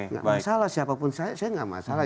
tidak masalah siapapun saya saya tidak masalah